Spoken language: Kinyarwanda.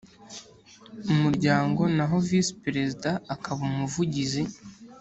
Umuryango naho Visi Perezida akaba umuvugizi